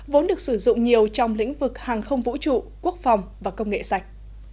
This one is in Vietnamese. vốn được sử dụng nhiều trong lĩnh vực hàng không vũ trụ quốc phòng và công nghệ sạch